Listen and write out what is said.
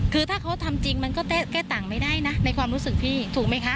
คือถ้าเขาทำจริงมันก็แก้ต่างไม่ได้นะในความรู้สึกพี่ถูกไหมคะ